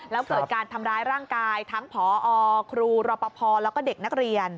แล้วเกิดการทำร้ายร่างกายทั้งผอครูรปภแล้วก็เด็กนักเรียน